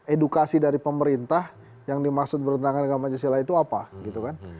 edukasi dari pemerintah yang dimaksud bertentangan dengan pancasila itu apa gitu kan